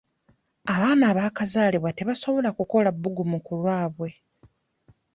Abaana abaakazalibwa tebasobola kukola bbugumu ku lwabwe.